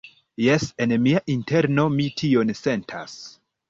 Jes, en mia interno mi tion sentas.